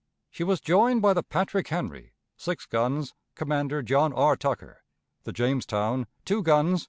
She was joined by the Patrick Henry, six guns, Commander John R. Tucker; the Jamestown, two guns.